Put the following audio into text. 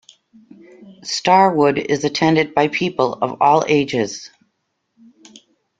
Starwood is attended by people of all ages.